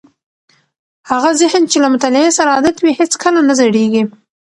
هغه ذهن چې له مطالعې سره عادت وي هیڅکله نه زړېږي.